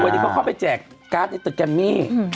วันนี้เขาเข้าไปแจกการ์ดในตึกแกมมี่